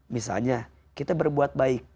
misalnya kita berbuat baik